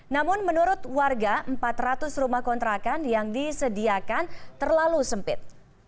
namun menurut warga empat ratus rumah kontrakan yang disediakan terlalu sempit